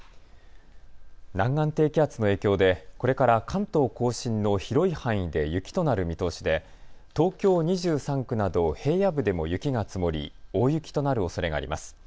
南岸低気圧の影響で、これから関東甲信の広い範囲で雪となる見通しで、東京２３区など平野部でも雪が積もり大雪となるおそれがあります。